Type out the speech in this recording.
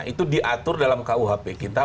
itu diatur dalam kuhp kita